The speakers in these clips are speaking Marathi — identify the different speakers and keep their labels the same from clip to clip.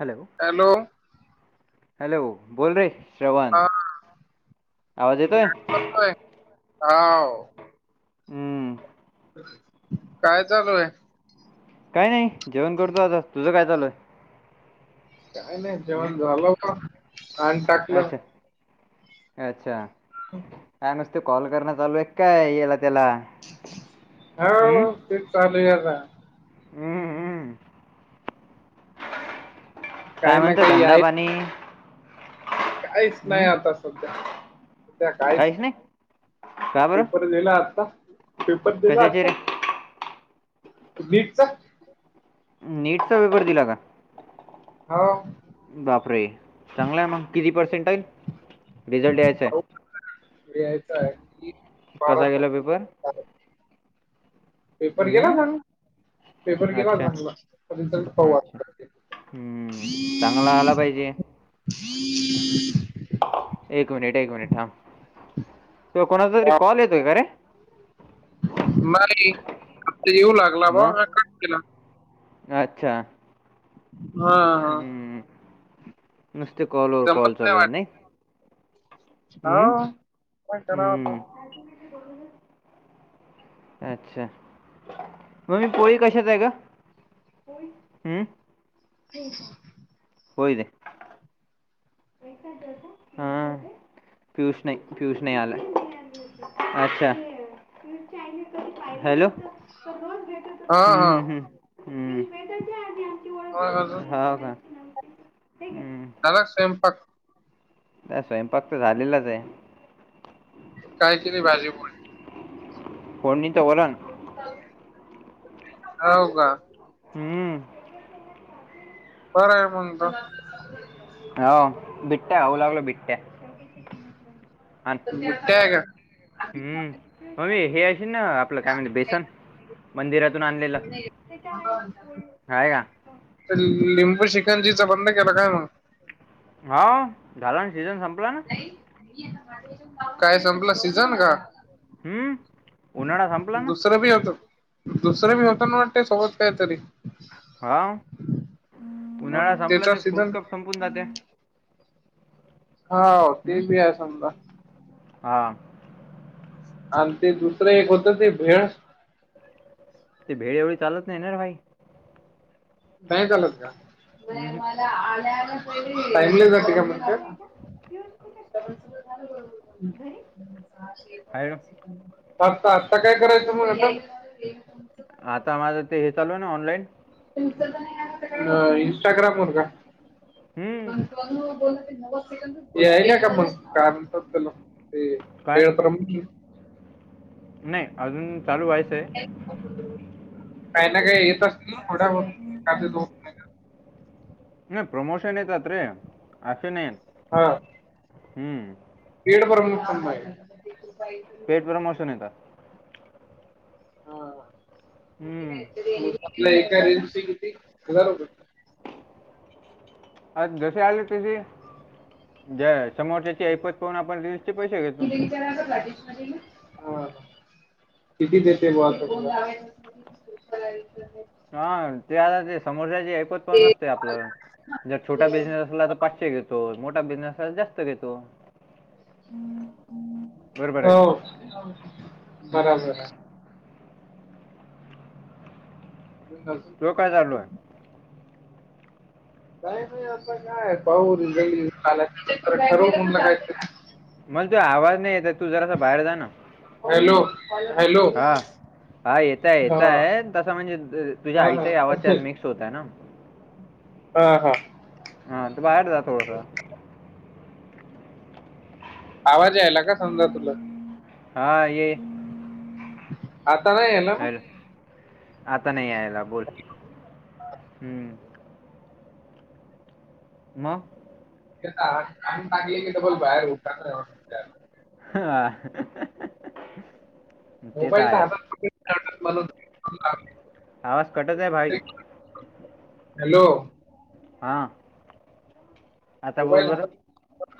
Speaker 1: हॅलो.
Speaker 2: हॅलो.
Speaker 1: हॅलो बोल रे श्रवण,
Speaker 2: हा
Speaker 1: आवाज येतोय?
Speaker 2: ह
Speaker 1: हम्म
Speaker 2: काय चालू आहे.
Speaker 1: काय नाही जेवण करतो, आता तुझं काय चालूय
Speaker 2: काय नाही, जेव्हा झा
Speaker 1: अच्छा अच्छा, का नुसते कॉल करण चालू आहे, काय याला. त्याला
Speaker 2: हो, तेच चालू आहे आता.
Speaker 1: हम् हम् काय
Speaker 2: काही ना
Speaker 1: म्हणत
Speaker 2: काही
Speaker 1: धंदा
Speaker 2: आहे
Speaker 1: पाणी.
Speaker 2: काहीच नाही,
Speaker 1: हम्म?
Speaker 2: आता सध्या सध्या काहीच नाही.
Speaker 1: का बरं
Speaker 2: पेपर दिला, आता पेपर दिला
Speaker 1: कशाचे रे
Speaker 2: आता. वीटच [inaudible]
Speaker 1: नीटचा वेपर दिला का?
Speaker 2: हा
Speaker 1: बापरे चांगलाय मग किती पर्सेंटाईल, रिझल्ट यायचंय.
Speaker 2: घयचं आहे. की बारा
Speaker 1: कसा गेला पेपर.
Speaker 2: तारखेला पेपर गेला
Speaker 1: हम्म?
Speaker 2: चांगला, पेपर गेला
Speaker 1: अच्छा
Speaker 2: चांगला
Speaker 1: अच्छा.
Speaker 2: [inaudible]
Speaker 1: हम्म चांगला आला पाहिजे.
Speaker 2: हम्
Speaker 1: एक मिनिट, एक मिनिट थांब तुला कोणाचा तरी, कॉल येतोय का रे.
Speaker 2: नाही आता येऊ, लागला बा म
Speaker 1: मग?
Speaker 2: का केला.
Speaker 1: अच्छा.
Speaker 2: हा हा
Speaker 1: हं. नुसते कॉलर
Speaker 2: जमत
Speaker 1: कॉल लू आहे नाही.
Speaker 2: वाटत हो
Speaker 1: हं.
Speaker 2: काण करावता.
Speaker 1: हं. अच्छा मग मी पोळी, कशात आहे ग. हम्म होय दे. हा पूषणे पूषणे आला अच्छा. हॅलो
Speaker 2: हा
Speaker 1: हम्म
Speaker 2: हा
Speaker 1: हम्म हम्म.
Speaker 2: मग अजून
Speaker 1: हम्म हा का हम्.
Speaker 2: नर स्वयंपाक.
Speaker 1: नाही स्वयंपाक तर झालेलाच आहे.
Speaker 2: काही की भाजी प
Speaker 1: कोणणी तर बला.
Speaker 2: होव का.
Speaker 1: हम्म.
Speaker 2: बरं आहे, मंग त.
Speaker 1: हो बिट्ट्या हवऊ, लागल बिट्ट्या. आण
Speaker 2: त्याय का
Speaker 1: हम्म,
Speaker 2: ते
Speaker 1: मम्मी हेे अशी ना आपलं काय, म्हणजे बेसन मंदिरातून आणलेलं [unintelligible]
Speaker 2: लिंबू शिकंजीचा बंद केला काय मग?
Speaker 1: हो, झाला आणि सीजन संपला ना.
Speaker 2: काय, संपला सीजन का?
Speaker 1: हम्म उन्हाळा संपला ना
Speaker 2: दुसरं बी येतो. दुसरं मी होता ना, वाटते सोबत काय तरी
Speaker 1: हां,
Speaker 2: मग
Speaker 1: उन्हाळा संपला
Speaker 2: त्याचा
Speaker 1: की
Speaker 2: सीझन
Speaker 1: फ्रूट कप संपून जाते.
Speaker 2: हाव, ते बी आहे समजा.
Speaker 1: हां.
Speaker 2: आणि ते दुसरं एक होतं, ते भेळ
Speaker 1: ते भेळ एवढी चालत नाही ना, भाई.
Speaker 2: नाहीच आलत का,
Speaker 1: हम्म
Speaker 2: टाईमली जाते का फक्त? [inaudible]
Speaker 1: हॅलो
Speaker 2: त्यात आत्ता काय करायचं मग असं?
Speaker 1: आता माझं ते हे चालू आहे ना, ऑनलाईन.
Speaker 2: हं, इंस्टाग्रामवर जा.
Speaker 1: हम्म
Speaker 2: यायला का मग, कारण तर [inaudible] ते
Speaker 1: काय
Speaker 2: एक नं
Speaker 1: नाही, अजून चालू व्हायचंय.
Speaker 2: काही ना काही येत असतील, थोड्या लोक [unintelligible]
Speaker 1: नाही. प्रमोशन येतात रे, अस नाहीे येत.
Speaker 2: हां.
Speaker 1: हम्म.
Speaker 2: [unintelligible]
Speaker 1: परमर्श येता.
Speaker 2: हा.
Speaker 1: हम्म.
Speaker 2: आपल्या एका रेंजची [unintelligible]
Speaker 1: आज जसे आले तसे, ज समोरच्याची ऐपत पाहून आपण रिल्सचे पैसे घेतो.
Speaker 2: [unintelligible] किती देते [unintelligible]
Speaker 1: हां, ते आता ते समोरच्याचे ऐपत पाहून असते आपलं. जर छोटा बिझनेस असला, तर पाचशे घेतो. मोठा बिझनेस असला, तर जास्त घेतो. हम्म.
Speaker 2: हो, बराबर
Speaker 1: हम्म.
Speaker 2: आहे. अजून
Speaker 1: तो काय चालू आहे?
Speaker 2: काय नाही, आता काय पाहून घरी आल्यात, ठरवून निघायचं.
Speaker 1: मला ते आवाज नाही येत आहे, तू जरासा बाहेर जा ना.
Speaker 2: हॅलो! हॅलो!
Speaker 1: हां, हा येतंय,
Speaker 2: हा
Speaker 1: येतंय तसं. म्हणजे तुझ, तुझ्या
Speaker 2: हा
Speaker 1: आईचाही आवाज
Speaker 2: हा
Speaker 1: त्यात मिक्स होतय ना.
Speaker 2: हां, हा.
Speaker 1: हां, तर बाहेर जा थोडस.
Speaker 2: आवाज यायला का, समदा तुला?
Speaker 1: हां, ये.
Speaker 2: आता नाही येणार.
Speaker 1: हॅलो आता नाही यायला, बोल हम्म. मग
Speaker 2: [unintelligible]
Speaker 1: हां.
Speaker 2: मोबाईल तर हातात [inaudible]
Speaker 1: आवाज कटत आहे भाई.
Speaker 2: हॅलो,
Speaker 1: हा. आता
Speaker 2: मोबाईल
Speaker 1: बोल
Speaker 2: हात
Speaker 1: बरं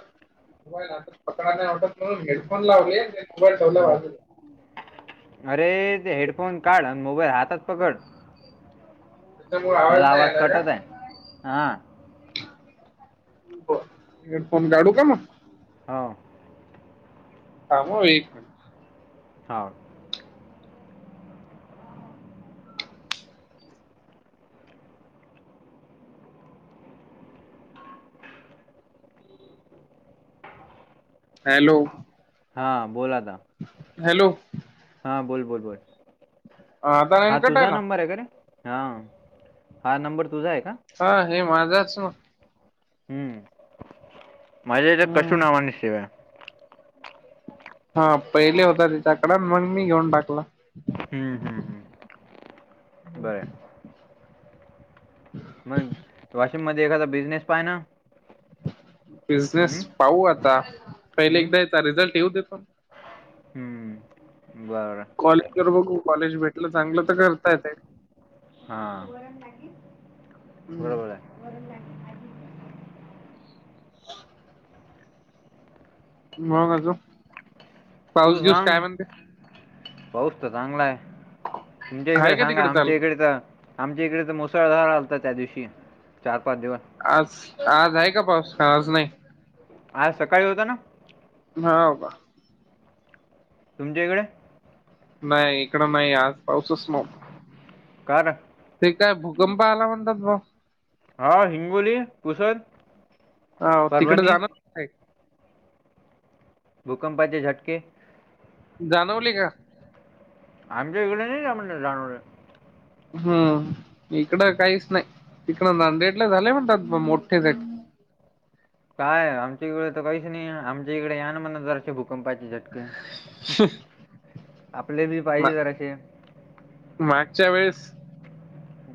Speaker 2: मोबाईल हात पकडा नाही आवडत म्हणून हेडफोन लावले. मोबाईल ठेवला
Speaker 1: हम्म.
Speaker 2: बाजू
Speaker 1: अरे ते हेडफोन काढ आणि मोबाईल हातात पकड.
Speaker 2: त्याच्यामुळे
Speaker 1: तुझा
Speaker 2: नाही
Speaker 1: आवाज
Speaker 2: आला का?
Speaker 1: कटत आहे हा.
Speaker 2: हेडफोन काढू का मग.
Speaker 1: हां.
Speaker 2: का म एक मि [unintelligible]
Speaker 1: हा.
Speaker 2: हॅलो,
Speaker 1: हां बोल आता.
Speaker 2: हॅलो,
Speaker 1: हा बोल बोल बोल
Speaker 2: आता नाही
Speaker 1: हा
Speaker 2: ना
Speaker 1: तुझा
Speaker 2: कटायला?
Speaker 1: नंबर आहे कारे.. हा हा नंबर तुझा आहे का?
Speaker 2: हा हे माझाच ना.
Speaker 1: हम्म माझ्या याच्यात कशु
Speaker 2: हम्म.
Speaker 1: नावाने सेव आहे.
Speaker 2: हा पहिले होता तिच्याकड मग मी घेऊन टाकला.
Speaker 1: हम्म हम्म हम् बरं.
Speaker 2: ह
Speaker 1: मग वाशिम मध्ये एखादा बिझनेस पाय ना, हम्म,
Speaker 2: बिझनेस पाहू आता पहिले
Speaker 1: हम्म,
Speaker 2: एकदा यचा रिझल्ट येऊ देतो.
Speaker 1: हम्म बरं
Speaker 2: कॉलेज वर बघू कॉलेज भेटलं चांगलं तर करतायेत.
Speaker 1: हा
Speaker 2: हम्म
Speaker 1: बरोबर आहे.
Speaker 2: मंग अजून.
Speaker 1: तू
Speaker 2: पाऊस बिऊस
Speaker 1: सांग
Speaker 2: काय म्हणते?
Speaker 1: पाऊस तर चांगलाय. तुमच्या
Speaker 2: आहे
Speaker 1: इकडे
Speaker 2: का
Speaker 1: सांगा
Speaker 2: तिकडे चालू?
Speaker 1: आमच्या इकडे तर आमच्या इकडे तर मुसळधार आलत त्या दिवशी चार पाच दिवस
Speaker 2: आज आज आहे का पाऊस आज नाही.
Speaker 1: आज सकाळी होत ना.
Speaker 2: हा का.
Speaker 1: तुमच्या इकडे
Speaker 2: नाही इकडं नाही आज पाऊसच नव्हतो.
Speaker 1: कार
Speaker 2: ते काय भूकंप आला म्हणतात भा
Speaker 1: हा हिंगोली पुसद.
Speaker 2: ह तिकडे
Speaker 1: परभणी
Speaker 2: जाणार
Speaker 1: भूकंपाचे झटके.
Speaker 2: जाणवली का.
Speaker 1: आमही इकडे नाही त्या म्हण जानवल.
Speaker 2: हम् इकड काहीच नाही तिकडं नांदेडला झाले म्हणतात मोठे
Speaker 1: काय आमच्या इकडे तर काहीच नाही आमच्या इकडे यान मना जरसें भूकंपाचे झटके, आपले बी
Speaker 2: मा
Speaker 1: पाहिजे जरा असे
Speaker 2: मागच्या वेळेस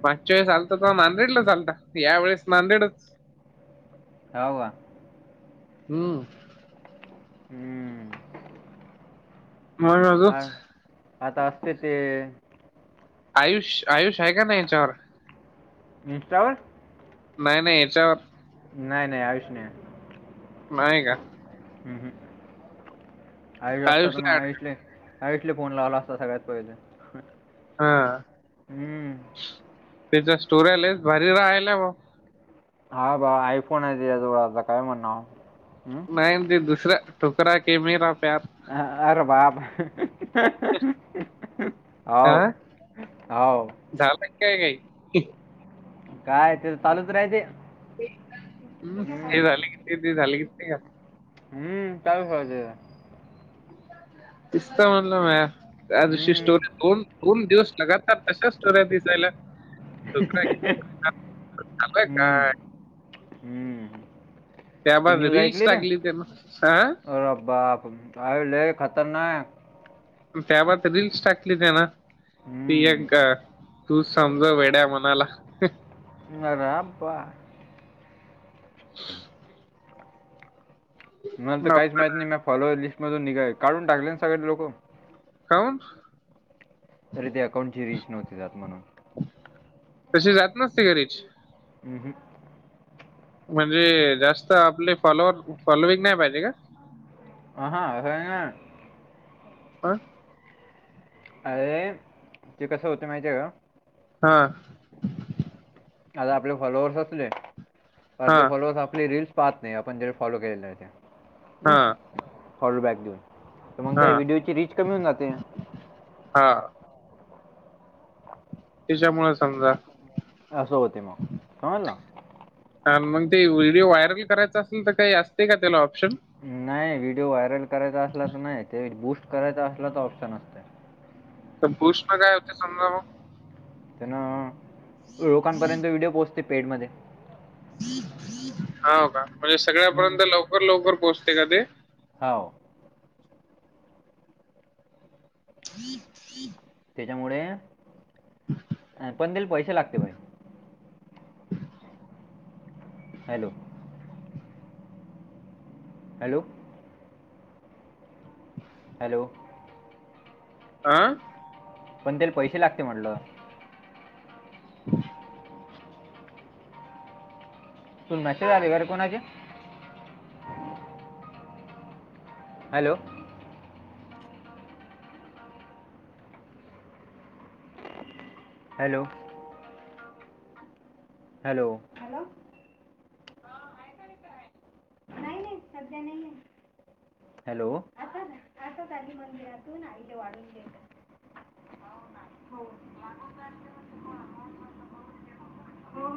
Speaker 2: मागच्या वेळेस आलता तेव्हा नांदेड ला आलता यावेळेस नांदेडच
Speaker 1: होव वा.
Speaker 2: हम्म.
Speaker 1: हम्म.
Speaker 2: मग अजून.
Speaker 1: आता असते ते
Speaker 2: आयुष, आयुष आहे का नाही याच्यावर? नाही नाही याच्यावर
Speaker 1: नाही नाही आयुष नाही.
Speaker 2: नाही का.
Speaker 1: हम्म, हम्, आयुष असता तर मग
Speaker 2: आयुषला ऍड
Speaker 1: आयुषले आयुषले फोन लावला असता सगळ्यात पाहिले.
Speaker 2: हा त्याच्या स्टोरी लईच भारी राहिल्या भाऊ,
Speaker 1: हा बा आयफोन आहे त्याचा जवळ आता काय म्हणावं,
Speaker 2: नाही ते दुसरं ठुकरा के मेरा प्यार
Speaker 1: अरे बाब, हाव हाव.
Speaker 2: झालाय काय काही [unintelligible]
Speaker 1: काय त्याचं चालूच राहायचे.
Speaker 2: हम्म ते झाले किती ते झाली किती [unintelligible]
Speaker 1: हम्म का खहज [unintelligible]
Speaker 2: नुसतं म्हणल म्या त्या दिवशी
Speaker 1: हम्म.
Speaker 2: स्टोरी दोन दोन दिवस लगातार तशाच ्या पीसायला [unintelligible] त का
Speaker 1: हम्म.
Speaker 2: [unintelligible]
Speaker 1: हम्म. ती
Speaker 2: त्याबाद
Speaker 1: न्यूज
Speaker 2: रीलस
Speaker 1: ऐकली ना
Speaker 2: टाकली त्यान हा
Speaker 1: अरे बाप अरे लय खतरनाक
Speaker 2: त्यावर रीलस टाकली त्यानं, ती
Speaker 1: हम्म.
Speaker 2: एक तू समजव वेड्या मनाला,
Speaker 1: ह राबा [unintelligible]
Speaker 2: [unintelligible]
Speaker 1: मला तर काहीच माहित नाही मी फॉलो लिस्ट मधून निघाय काढून टाकले ना सगळे लोक.
Speaker 2: काहून?
Speaker 1: तरी ते अकाउंटची रच नव्हती जात म्हणून [unintelligible]
Speaker 2: तशी जात नसते का रीच
Speaker 1: ह्, हं.
Speaker 2: म्हणजे जास्त आपले फॉलोवर्स फॉलोईंग नाही पाहिजे का?
Speaker 1: ह हा अ [unintelligible]
Speaker 2: हं [unintelligible]
Speaker 1: अरे ते कसं होते माहिती का?
Speaker 2: हा.
Speaker 1: आता आपले फॉलोअर्स असले अ
Speaker 2: हा
Speaker 1: तेे फॉलोअर्स आपले रीलल्स पाहत नाही आपण जर फॉलो केलेलं
Speaker 2: हा
Speaker 1: त्या् फॉलोबॅक देऊन तर मग
Speaker 2: हा
Speaker 1: त्या व्हिडिओची रीच कमी होऊन जाते.
Speaker 2: हा. त्याच्यामुळे समजा
Speaker 1: असं होते मग कणलं [unintelligible]
Speaker 2: आणि मग ते व्हिडिओ व्हायरल करायचा असेल तर काही असते का त्याला ऑप्शन?
Speaker 1: नाही व्हिडिओ व्हायरल करायचा असला तर नाही, ते बूस्ट करायचा असला तर ऑप्शन असत.
Speaker 2: तर बूस्ट काय होते समजा मग
Speaker 1: त्यांना लोकांपर्यंत व्हिडिओ पोहोचते पेट मध्ये,
Speaker 2: हो का, म्हणजे
Speaker 1: हम्म.
Speaker 2: सगळ्यापर्यंत लवकर लवकर पोहोचते का ते?
Speaker 1: हाव.
Speaker 2: त त [unintelligible]
Speaker 1: त्याच्यामुळे पण तेल पैसे लागते बाई.
Speaker 2: [unintelligible]
Speaker 1: हॅलो. हॅलो. हॅलो.
Speaker 2: आं.
Speaker 1: पण तेला पैसे लागते म्हटलं.
Speaker 2: ह्.
Speaker 1: तुून मेसेज आले अरे कोणाचे? हॅलो. हॅलो. हॅलोॅ. सध्या नाही ना. हॅलो आ आता काली मंदिरातून आ वाढेत. हो म्हण को